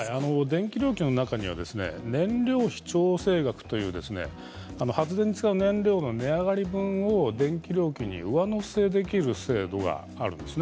電気料金の中には燃料費調整額という発電にかかる値上がり分を電気料金に上乗せできる制度があるんです。